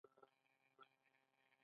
ملي بیرغ ته ټول درناوی کوي.